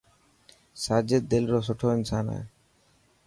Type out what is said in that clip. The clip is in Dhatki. ساجد دل رو سٺو انسان هي.